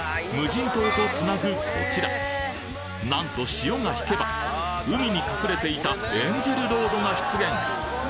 無人島とつなぐこちらなんと潮が引けば海に隠れていたエンジェルロードが出現！